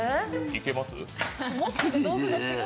いけます？